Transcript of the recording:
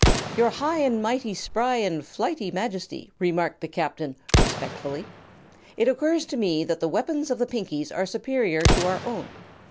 "Your High and Mighty Spry and Flighty Majesty," remarked the Captain, respectfully, "it occurs to me that the weapons of the Pinkies are superior to our own.